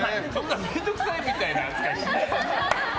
面倒くさいみたいな扱いしないでよ。